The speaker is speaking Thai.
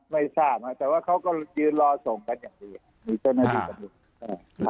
ไม่ทราบแต่ว่าเขาก็ยืนรอส่งกันอย่างดี